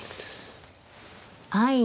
はい。